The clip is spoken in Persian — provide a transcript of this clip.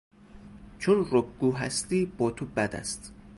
چون رکگو هستی با تو بد است.